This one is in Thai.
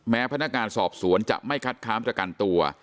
พนักงานสอบสวนจะไม่คัดค้านประกันตัว